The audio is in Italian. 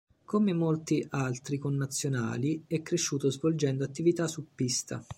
Come molti altri connazionali è cresciuto svolgendo attività su pista.